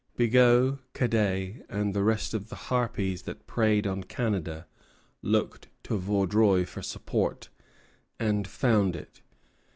Bigot, Cadet, and the rest of the harpies that preyed on Canada looked to Vaudreuil for support, and found it.